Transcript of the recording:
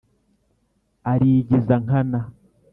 ”arigiza nkana“ –